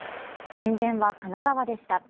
震源は神奈川でした。